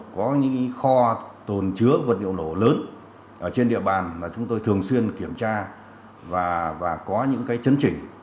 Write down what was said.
có những kho tồn chứa vật liệu nổ lớn trên địa bàn là chúng tôi thường xuyên kiểm tra và có những chấn chỉnh